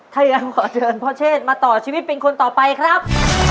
ถ้าอย่างนั้นขอเชิญพ่อเชษมาต่อชีวิตเป็นคนต่อไปครับ